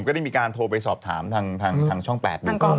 ก็ได้มีการโทรไปสอบถามทางแสบ